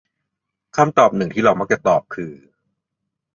คำตอบหนึ่งที่เรามักจะตอบคือ